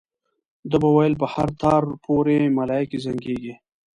ده به ویل په هر تار پورې ملایکې زنګېږي.